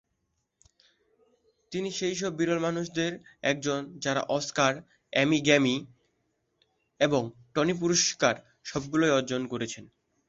তিনি সেই সব বিরল মানুষদের একজন যারা অস্কার, এমি, গ্র্যামি এবং টনি পুরস্কার সবগুলোই অর্জন করেছেন।